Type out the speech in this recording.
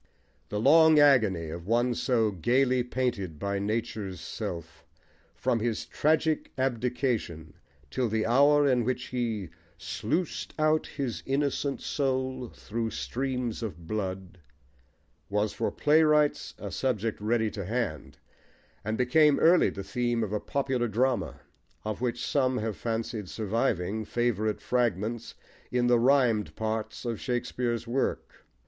The long agony of one so gaily painted by nature's self, from his "tragic abdication" till the hour in which he Sluiced out his innocent soul thro' streams of blood, was for playwrights a subject ready to hand, and became early the theme of a popular drama, of which some have fancied surviving favourite fragments in the rhymed parts of Shakespeare's work.